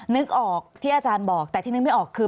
นึกออกที่อาจารย์บอกแต่ที่นึกไม่ออกคือ